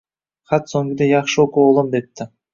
Xat so’ngida yaxshi o’qi, o’g’lim, debdi.